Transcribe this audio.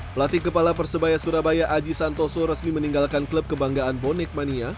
pelatih kepala persebaya surabaya aji santoso resmi meninggalkan klub kebanggaan bonek mania